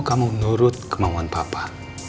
kamu nurut kemauan papa